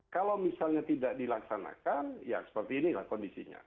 kalau misalnya tidak dilaksanakan ya seperti inilah kondisinya